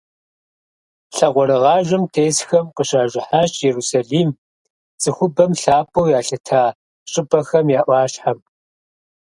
Лъакъуэрыгъажэм тесхэм къыщажыхьащ Иерусалим - цӏыхубэм лъапӏэу ялъытэ щӏыпӏэхэм я ӏуащхьэм.